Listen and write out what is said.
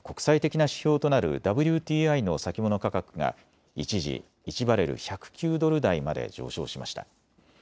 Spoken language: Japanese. １８日のニューヨーク原油市場では国際的な指標となるＷＴＩの先物価格が一時、１バレル１０９ドル台まで上昇しました。